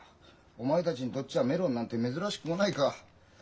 お前たちにとっちゃメロンなんて珍しくもないか。